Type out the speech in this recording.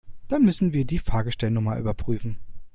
Dann müssen wir die Fahrgestellnummer überprüfen.